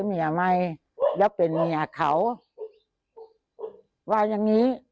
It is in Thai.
มีแต่เข้าโทมาหากัน